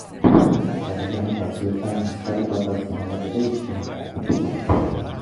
Era berean, batzuetan bizkarreko atal zabalak ere uzten dira agerian.